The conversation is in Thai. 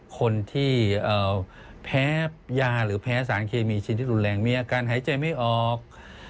คนที่แพ้ยาหรือแพ้สารเคมีชิ้นที่รุนแรงมีอาการหายใจไม่ออก